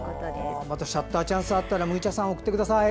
シャッターチャンスあればむぎ茶さん、送ってください。